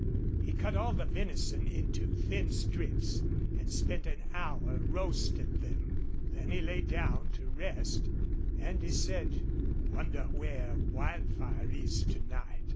He cut all the venison into thin strips, and spent an hour roasting them. Then he lay down to rest, and he said: "Wonder where Wildfire is to night?